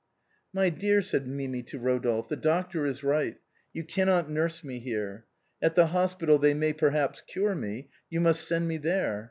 " My dear," said Mimi to Rodolphe, " the doctor is right; you cannot nurse me here. At the hospital they may perhaps cure me, you must send me there.